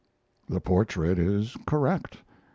The portrait is correct.